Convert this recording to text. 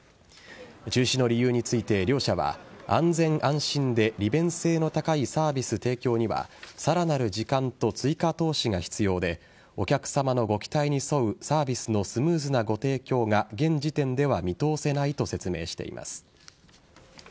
中止の理由について両社は安全・安心で利便性の高いサービス提供にはさらなる時間と追加投資が必要でお客さまのご期待に沿うサービスのスムーズなご提供が現時点では見通せないと説明しています。